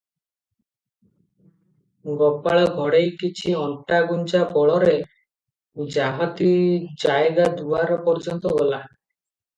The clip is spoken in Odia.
ଗୋପାଳ ଘଡ଼େଇ କିଛି ଅଣ୍ଟାଗୁଞ୍ଜା ବଳରେ ହାଜତି ଜାଏଗା ଦୁଆର ପର୍ଯ୍ୟନ୍ତ ଗଲା ।